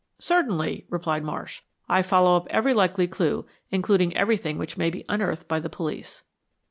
"Certainly," replied Marsh. "I follow up every likely clue, including everything which may be unearthed by the police."